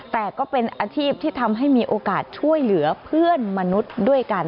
แต่ก็เป็นอาชีพที่ทำให้มีโอกาสช่วยเหลือเพื่อนมนุษย์ด้วยกัน